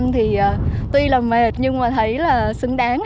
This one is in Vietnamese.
một nghìn ba trăm linh năm thì tuy là mệt nhưng mà thấy là xứng đáng